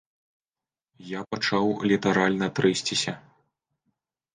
Я пачаў літаральна трэсціся.